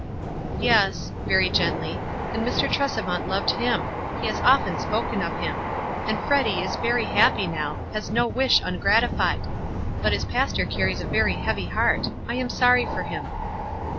"Yes," very gently, "and Mr. Tresevant loved him. He has often spoken of him. And Freddy is very happy now — has no wish un gratified ; but his pastor carries a very heavy heart. I am sorry for him."